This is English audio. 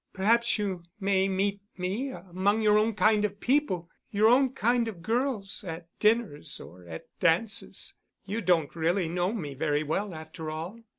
Perhaps you may meet me among your own kind of people—your own kind of girls, at dinners, or at dances. You don't really know me very well, after all.